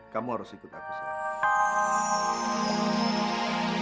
kamu harus ikut aku sih